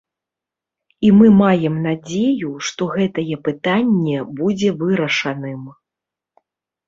І мы маем надзею, што гэтае пытанне будзе вырашаным.